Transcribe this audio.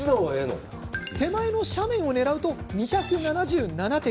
手前の斜面を狙うと２７７滴。